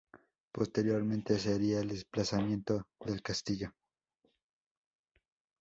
Posteriormente sería el emplazamiento del castillo.